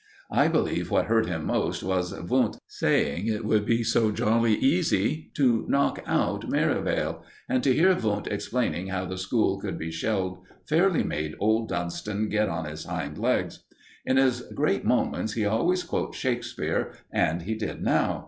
I believe what hurt him most was Wundt saying it would be so jolly easy to knock out Merivale; and to hear Wundt explaining how the school could be shelled fairly made old Dunston get on his hind legs. In his great moments he always quotes Shakespeare, and he did now.